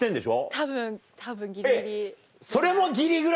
たぶんたぶんギリギリ。